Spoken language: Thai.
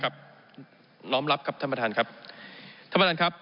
น้อมรับครับท่านประธานครับท่านประธานครับ